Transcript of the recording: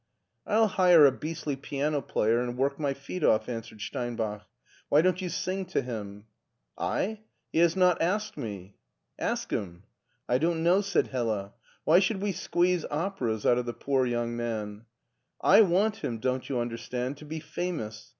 " I'll hire a beastly piano player and work my feet off," answered Steinbach. *'Why don't you sing td him?" I ? He has not asked me." 122 MARTIN SCHDLER " Ask him." (t I don't know," said Hdia; "why should we squeeze operas out of the poor young man ?"" I want him, don't you understand, to be famous.